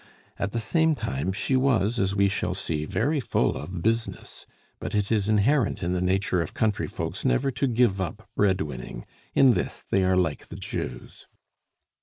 At the same time, she was, as we shall see, very full of business; but it is inherent in the nature of country folks never to give up bread winning; in this they are like the Jews.